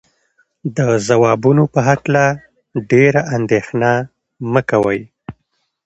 د ځوابونو په هکله ډېره اندېښنه مه کوئ.